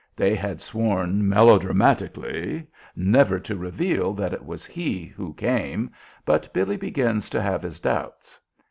They had sworn melodramatically never to reveal that it was he who came, but Billy begins to have his doubts.